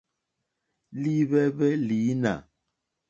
Líhwɛ́hwɛ́ lǐnà.